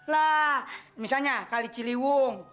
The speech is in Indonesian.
lah misalnya kali ciliwung